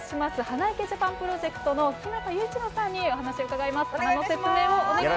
花いけジャパンプロジェクトの日向雄一郎さんにお話を伺います。